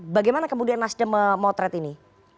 bagaimana kemudian mas deme motret ini